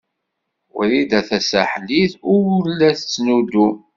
Wrida Tasaḥlit ur la tettnuddum.